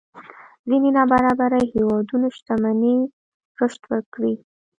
ځينې نابرابرۍ هېوادونو شتمنۍ رشد وکړي.